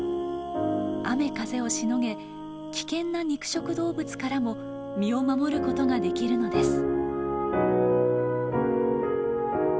雨風をしのげ危険な肉食動物からも身を守ることができるのです。